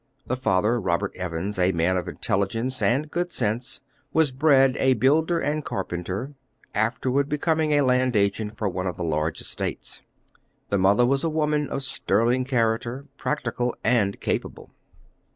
The father, Robert Evans, a man of intelligence and good sense, was bred a builder and carpenter, afterward becoming a land agent for one of the large estates. The mother was a woman of sterling character, practical and capable.